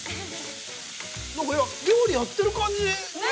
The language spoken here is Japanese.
◆料理やってる感じ。ねぇ？